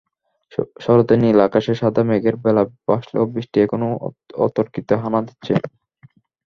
শরতের নীল আকাশে সাদা মেঘের ভেলা ভাসলেও বৃষ্টি এখনো অতর্কিতে হানা দিচ্ছে।